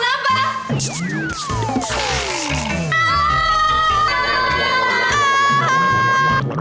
rasain tuh sih hani